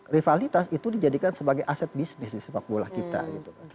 rivalitas itu dijadikan sebagai aset bisnis di sepak bola kita gitu